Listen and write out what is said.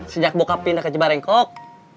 sejak bokap pindah ke jebarengkok